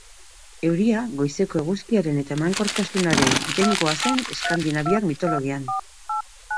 Euria, goizeko eguzkiaren eta emankortasunaren jainkoa zen eskandinaviar mitologian.